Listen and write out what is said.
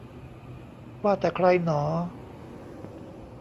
ว่าแต่ใครหนอ